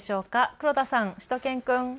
黒田さん、しゅと犬くん。